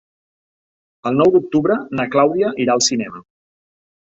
El nou d'octubre na Clàudia irà al cinema.